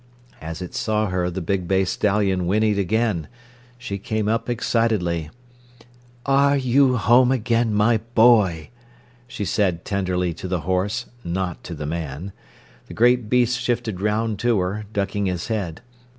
As it saw her, the big bay stallion whinneyed again. She came up excitedly. "Are you home again, my boy!" she said tenderly to the horse, not to the man. The great beast shifted round to her, ducking his head.